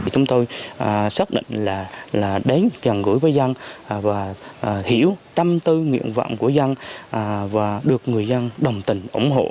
chúng tôi xác định là đến gần gũi với dân và hiểu tâm tư nguyện vọng của dân và được người dân đồng tình ủng hộ